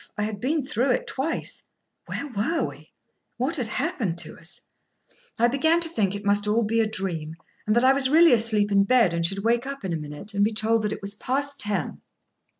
I had been through it twice. Where were we? What had happened to us? I began to think it must be all a dream, and that I was really asleep in bed, and should wake up in a minute, and be told it was past ten.